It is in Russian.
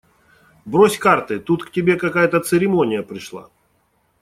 – Брось карты, тут к тебе какая-то церемония пришла!